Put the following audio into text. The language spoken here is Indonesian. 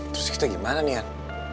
terus kita gimana nih an